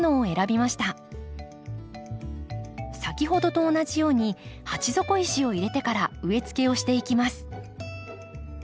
先ほどと同じように鉢底石を入れてから植えつけをしていきます。